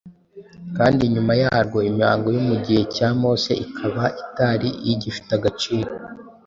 kandi nyuma yarwo imihango yo mu gihe cya Mose ikaba itari igifite agaciro.